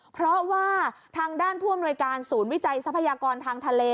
เพราะว่าทางด้านผู้อำนวยการศูนย์วิจัยทรัพยากรทางทะเล